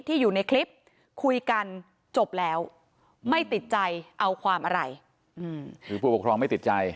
อยู่ในคลิปคุยกันจบแล้วไม่ติดใจเอาความอะไรคือผู้ปกครองไม่ติดใจ